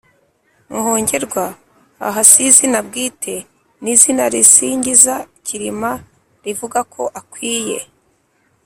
Muhongerwa: aha si izina bwite, ni izina risingiza Cyilima rivuga ko akwiye